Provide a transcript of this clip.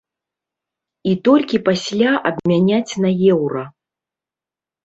І толькі пасля абмяняць на еўра.